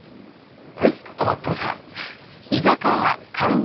はいおまっとさん。